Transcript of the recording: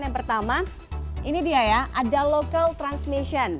yang pertama ini dia ya ada local transmission